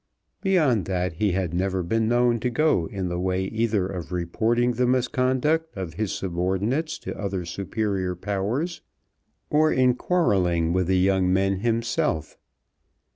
Beyond that he had never been known to go in the way either of reporting the misconduct of his subordinates to other superior powers, or in quarrelling with the young men himself.